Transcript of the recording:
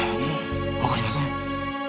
わかりません。